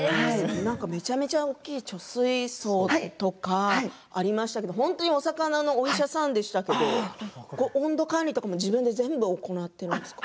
めちゃめちゃ大きい貯水槽とかありましたけれども本当にお魚のお医者さんでしたけれども温度管理とかも全部自分で行っていますか。